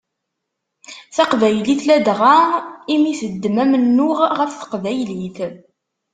Taqbaylit ladɣa i mi teddem amennuɣ ɣef teqbaylit.